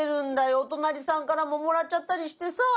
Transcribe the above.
お隣さんからももらっちゃったりしてさ。